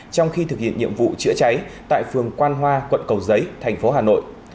trong khi thực hiện nhiệm vụ chữa cháy tại phường quan hoa quận cầu giấy thành phố hà nội